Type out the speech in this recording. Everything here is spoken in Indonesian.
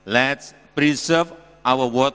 mari kita menjaga air kita hari ini